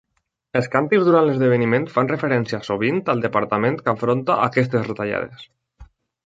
Els càntics durant l'esdeveniment fan referència sovint al departament que afronta aquestes retallades.